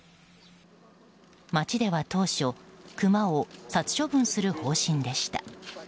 町では当初クマを殺処分する方針でした。